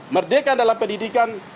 merdeka dalam pendidikan